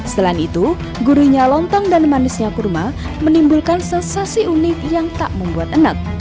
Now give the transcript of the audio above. selain itu gurihnya lontong dan manisnya kurma menimbulkan sensasi unik yang tak membuat enak